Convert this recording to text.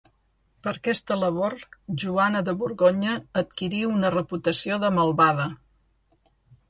Per aquesta labor Joana de Borgonya adquirí una reputació de malvada.